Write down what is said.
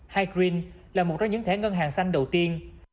high green là một trong những thẻ ngân hàng xanh đầu tiên